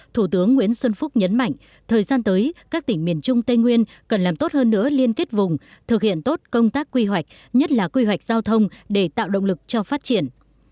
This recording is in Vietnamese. thủ tướng nguyễn xuân phúc nhấn mạnh thời gian tới các tỉnh miền trung tây nguyên cần làm tốt hơn nữa liên kết vùng thực hiện tốt công tác quy hoạch nhất là quy hoạch giao thông để tạo động lực cho phát triển